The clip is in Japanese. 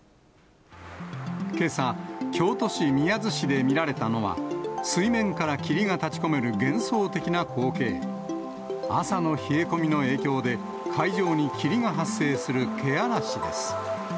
けさ、京都市宮津市で見られたのは、水面から霧が立ち込める幻想的な光景、朝の冷え込みの影響で、海上に霧が発生するけあらしです。